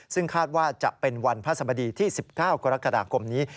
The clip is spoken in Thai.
ซึ่งคาดว่าจะเป็นวันพระสมดีที่๑๙กรกฎาคมนี้